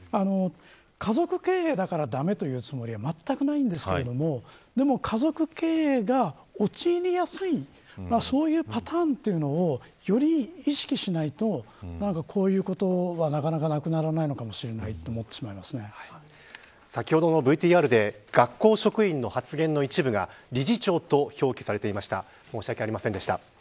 家族経営だから駄目というつもりはまったくないんですけどでも、家族経営が陥りやすいそういうパターンというのをより意識しないとこういうことは、なかなかなくならないのかもしれない先ほどのＶＴＲで学校職員の発言の一部が理事長と表記されていました。